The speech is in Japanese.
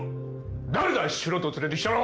誰だ素人連れてきたの